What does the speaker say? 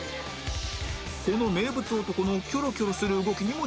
この名物男のキョロキョロする動きにも注目